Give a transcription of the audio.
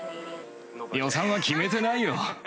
予算は決めてないよ。